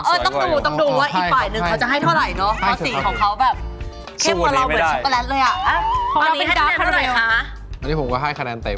แล้วทำไมสีคาราเมลพอเราทำไปเรื่อยมันก็ในสีตัวกัน